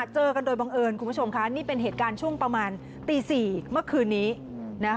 เจอกันโดยบังเอิญคุณผู้ชมค่ะนี่เป็นเหตุการณ์ช่วงประมาณตี๔เมื่อคืนนี้นะคะ